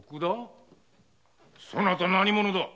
そなた何者だ。